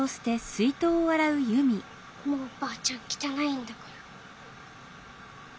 もうばあちゃんきたないんだから。